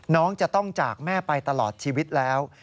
น้องจะต้องจากแม่ไปตลอดชีวิตแล้ว